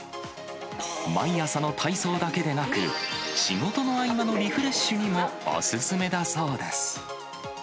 毎朝の体操だけでなく、仕事の合間のリフレッシュにもお勧めだそうです。